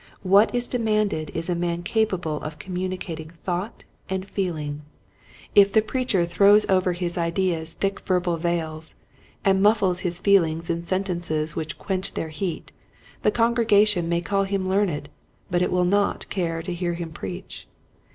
What is demanded is a man capable of communi cating thought and feeling. If the preacher " Thy Speech Bewray eth Thee'' 177 throws over his ideas thick verbal veils, and muffles his feelings in sentences which quench their heat, the congregation may call him learned but it will not care to hear him preach.